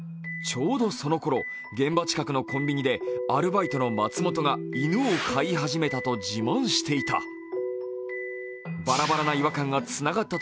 ちょうどその頃、現場近くのコンビニでアルバイトの松本が犬を飼い始めたと自慢していた。